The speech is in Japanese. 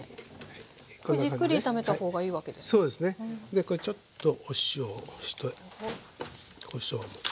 でこれちょっとお塩をしてこしょうもちょっとして。